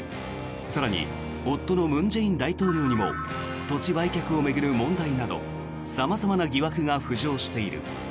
更に、夫の文在寅大統領にも土地売却を巡る問題など様々な疑惑が浮上している。